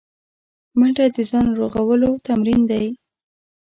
منډه د ځان رغولو تمرین دی